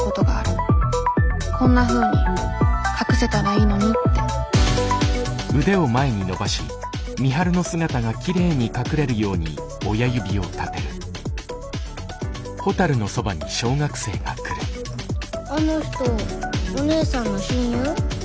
こんなふうに隠せたらいいのにってあの人おねえさんの親友？え？